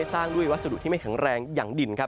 สร้างด้วยวัสดุที่ไม่แข็งแรงอย่างดินครับ